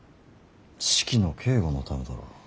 式の警固のためだろう。